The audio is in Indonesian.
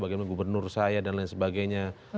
bagaimana gubernur saya dan lain sebagainya